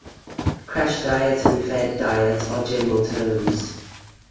Crash diet and fad diet are general terms.